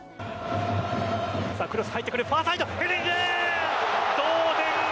クロス入ってくるファーサイド。